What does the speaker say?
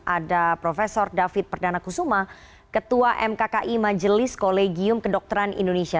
ada prof david perdana kusuma ketua mkki majelis kolegium kedokteran indonesia